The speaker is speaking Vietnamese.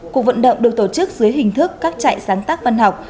cuộc vận động được tổ chức dưới hình thức các trại sáng tác văn học